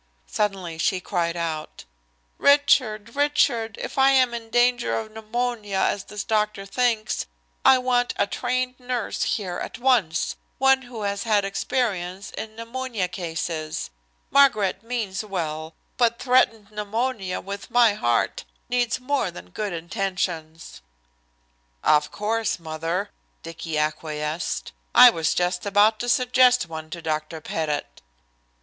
Suddenly she cried out, "Richard! Richard, if I am in danger of pneumonia, as this doctor thinks, I want a trained nurse here at once, one who has had experience in pneumonia cases. Margaret means well, but threatened pneumonia with my heart needs more than good intentions." "Of course, mother," Dicky acquiesced. "I was just about to suggest one to Dr. Pettit."